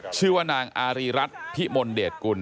ชื่อว่านางอารีรัฐพิมลเดชกุล